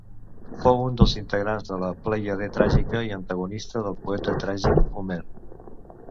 Fou un dels integrants de la plèiade tràgica i antagonista del poeta tràgic Homer.